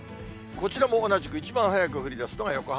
こちらも同じく、一番早く降りだすのが横浜。